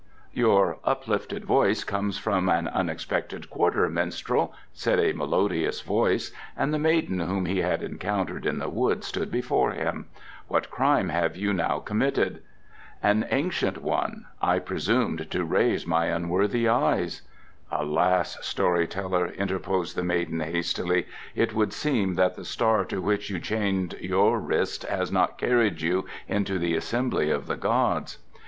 "Your uplifted voice comes from an unexpected quarter, minstrel," said a melodious voice, and the maiden whom he had encountered in the wood stood before him. "What crime have you now committed?" "An ancient one. I presumed to raise my unworthy eyes " "Alas, story teller," interposed the maiden hastily, "it would seem that the star to which you chained your wrist has not carried you into the assembly of the gods."